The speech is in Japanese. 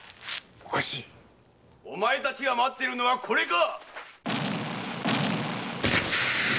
・お前たちが待っているのはこれか！